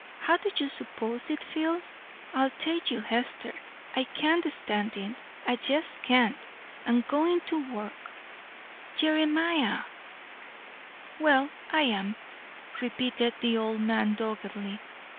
How do ye s'pose it feels? I tell ye, Hester, I can't stand it I jest can't! I'm goin' ter work." "Jere mi ah!" "Well, I am," repeated the old man doggedly.